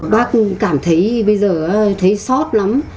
bác cảm thấy bây giờ thấy xót lắm